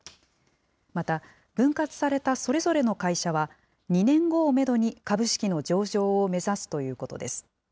また、分割されたそれぞれの会社は、２年後をメドに株式の上場を目指すということです。